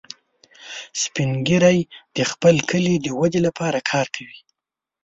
سپین ږیری د خپل کلي د ودې لپاره کار کوي